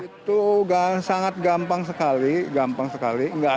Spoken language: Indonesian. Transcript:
itu sangat gampang sekali gampang sekali